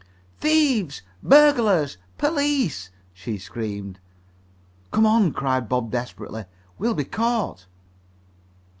"Thieves! Burglars! Police!" she screamed. "Come on!" cried Bob desperately. "We'll be caught!"